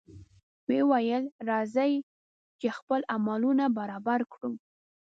ویل یې راځئ! چې خپل عملونه برابر کړو.